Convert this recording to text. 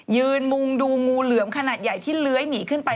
ยืนมุงดูงูเหลือมขนาดใหญ่ที่เลื้อยหนีขึ้นไป